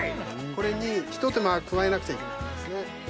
これにひと手間加えなくちゃいけないんですね。